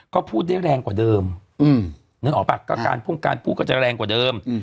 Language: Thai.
ก็พูดได้แรงกว่าเดิมนึกออกป่ะก็การพ่งการพูดก็จะแรงกว่าเดิม